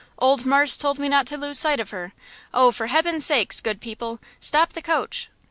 Old marse told me not to lose sight of her! Oh, for hebben's sake, good people, stop the coach!"